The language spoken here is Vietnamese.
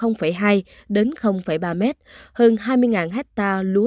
hơn hai mươi hecta lúa